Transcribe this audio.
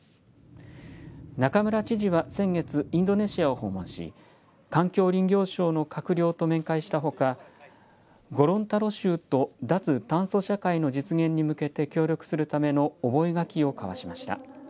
中村知事は先月インドネシアを訪問し環境林業省の閣僚と面会したほかゴロンタロ州と脱炭素社会の実現に向けて協力するための覚書を交わしました。